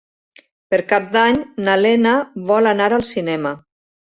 Per Cap d'Any na Lena vol anar al cinema.